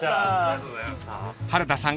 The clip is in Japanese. ［原田さん